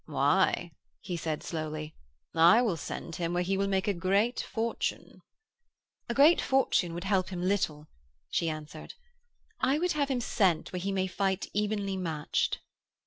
'Why,' he said slowly, 'I will send him where he will make a great fortune.' 'A great fortune would help him little,' she answered. 'I would have him sent where he may fight evenly matched.'